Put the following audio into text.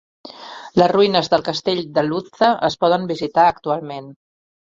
Les ruïnes del castell de Ludza es poden visitar actualment.